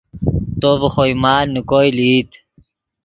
تو ڤے خوئے مال نے کوئے لئیت